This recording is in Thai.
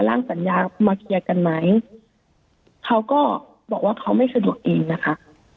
ร่างสัญญามาเคลียร์กันไหมเขาก็บอกว่าเขาไม่สะดวกเองนะคะ